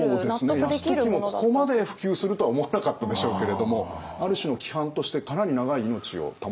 泰時もここまで普及するとは思わなかったでしょうけれどもある種の規範としてかなり長い命を保つことになりますね。